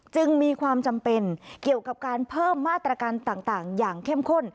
จึงมีความจำเป็นเกี่ยวกับการเพิ่มมาตรการต่างอย่างเข้มข้น